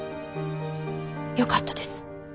よかったです。